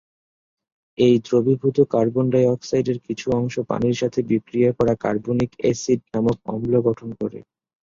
এই দ্রবীভূত কার্বন ডাই-অক্সাইডের কিছু অংশ পানির সাথে বিক্রিয়া করা কার্বনিক অ্যাসিড নামক অম্ল গঠন করে।